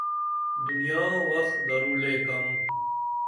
دنیا وخ درو لے کم